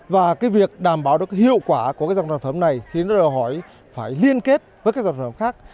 và việc đảm bảo được hiệu quả của dòng sản phẩm này thì nó đều hỏi phải liên kết với các dòng sản phẩm khác